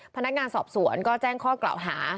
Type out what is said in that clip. ท้องด้านสอบส่วนก็แจ้งห้องกล่าวหา